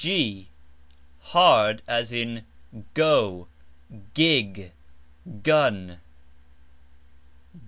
g hard, as in Go, GiG, Gun.